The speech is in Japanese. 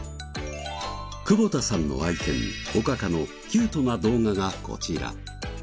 久保田さんの愛犬おかかのキュートな動画がこちら。